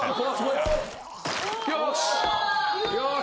よし！